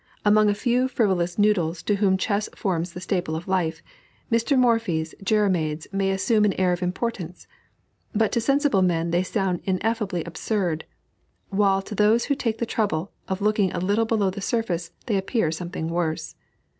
Among a few frivolous noodles to whom chess forms the staple of life, Mr. Morphy's jeremiads may assume an air of importance, but to sensible men they sound ineffably absurd, while to those who take the trouble of looking a little below the surface they appear something worse.